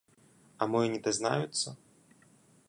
А мо й не дазнаюцца?